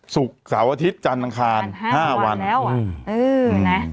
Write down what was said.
สุกสาวอาทิตย์จันทร์นางคารห้างวันห้างวันแล้วอ่ะอือนะ